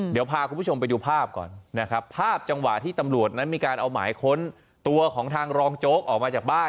เดี๋ยวพาคุณผู้ชมไปดูภาพก่อนนะครับภาพจังหวะที่ตำรวจนั้นมีการเอาหมายค้นตัวของทางรองโจ๊กออกมาจากบ้าน